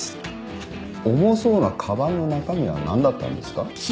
重そうなかばんの中身は何だったんですか。